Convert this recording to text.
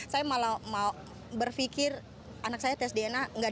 saya malah mau berpikir anak saya tes dna